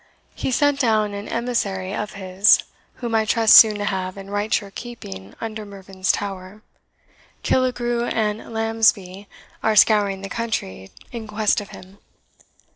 He sent down an emissary of his, whom I trust soon to have in right sure keeping under Mervyn's Tower Killigrew and Lambsbey are scouring the country in quest of him.